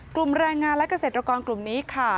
แรงงานและเกษตรกรกลุ่มนี้ค่ะ